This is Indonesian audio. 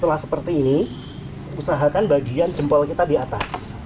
setelah seperti ini usahakan bagian jempol kita di atas